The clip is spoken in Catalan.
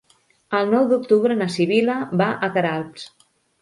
El nou d'octubre na Sibil·la va a Queralbs.